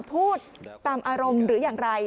พูดตามอารมณ์หรืออย่างไร